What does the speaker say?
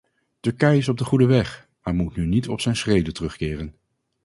Turkije is op de goede weg, maar moet nu niet op zijn schreden terugkeren.